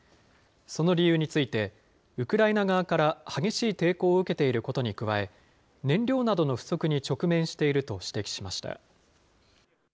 その理由について、ウクライナ側から激しい抵抗を受けていることに加え、燃料などの不足に直面していると指摘しました。